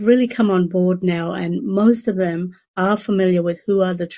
maka anda berjalan ke negara yang berbeda